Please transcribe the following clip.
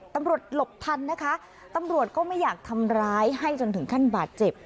ตำรวจหลบทันนะคะตำรวจก็ไม่อยากทำร้ายให้จนถึงขั้นบาดเจ็บ